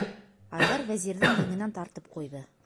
- Айҙар Вәзирҙең еңенән тартып ҡуйҙы.